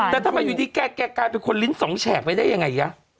แต่ถ้าแกเป็นคนลิ้นสองแฉกไปได้ยังไง